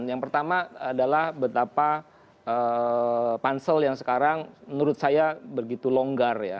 yang pertama adalah betapa pansel yang sekarang menurut saya begitu longgar ya